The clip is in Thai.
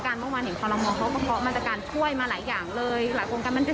ควบคุมนิดนึงเพราะว่าขึ้นออกจากหมูแล้วก็เห็นว่ามีผักบางชนิดก็แพงด้วยเลย